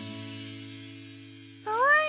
かわいい！